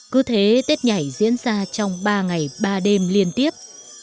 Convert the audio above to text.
cứ thế tết nhảy diễn ra trong ba ngày ba đêm liên tiếp